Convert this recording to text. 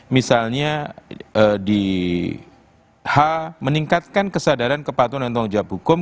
misalnya di h meningkatkan kesadaran kepatuhan dan tanggung jawab hukum